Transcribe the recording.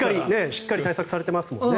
しっかり対策されてますもんね。